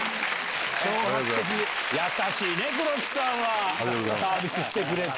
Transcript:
優しいね黒木さんはサービスしてくれて。